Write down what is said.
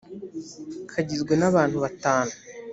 kagizwe n abantu batanu